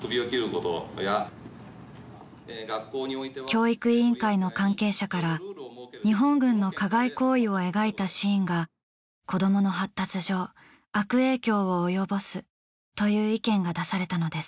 教育委員会の関係者から日本軍の加害行為を描いたシーンが子どもの発達上悪影響を及ぼすという意見が出されたのです。